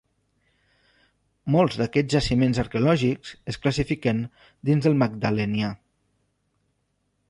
Molts d'aquests jaciments arqueològics es classifiquen dins del Magdalenià.